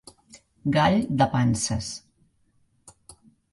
Gall de panses.